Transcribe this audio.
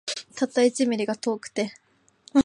たった一ミリが遠くて